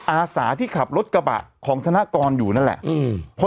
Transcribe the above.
อาสาที่ขับรถกระบะของธนกรอยู่นั่นแหละ